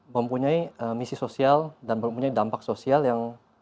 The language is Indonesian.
tapi misalnya ada ide yang lebih ke luar negeri